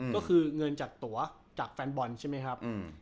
ก็คือเงินจากตัวจากแฟนบอลใช่ไหมครับ